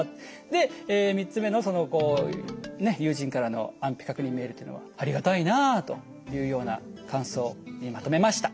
で３つ目の「友人からの安否確認メール」というのは「ありがたいな」というような感想にまとめました。